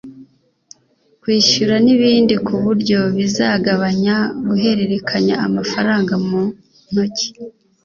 kwishyura n’ibindi ku buryo bizagabanya guhererekanya amafaranga mu ntoki